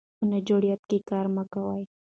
په ناجوړتيا کې کار مه کوه